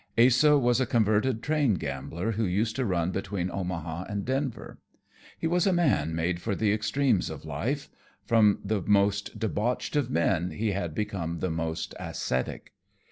Asa was a converted train gambler who used to run between Omaha and Denver. He was a man made for the extremes of life; from the most debauched of men he had become the most ascetic.